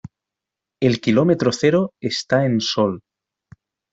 El kilómetro cero está en Sol.